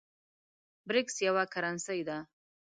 برېکس یوه کرنسۍ ده